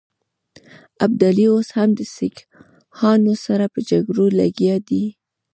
ابدالي اوس هم د سیکهانو سره په جګړو لګیا دی.